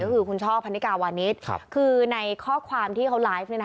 ก็คือคุณช่อพันนิกาวานิสคือในข้อความที่เขาไลฟ์